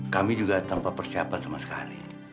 kami juga tanpa persiapan sama sekali